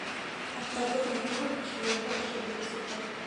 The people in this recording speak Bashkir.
Аттарҙы ғына түгел, кешеләрҙе ашап бөтәсәктәр.